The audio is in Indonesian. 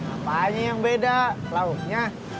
apa aja yang beda lauknya